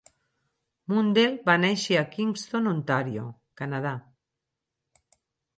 Mundell va néixer a Kingston, Ontario, Canadà.